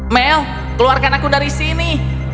mel keluarkan aku dari sini